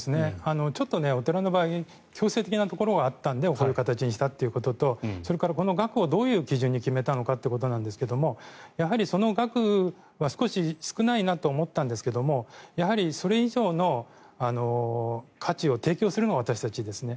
ちょっとお寺の場合強制的なところがあったんでこういう形にしたということとそれから額を、どういう基準で決めたのかということですがその額は少し少ないなと思ったんですけどもそれ以上の価値を提供するのが私たちですね。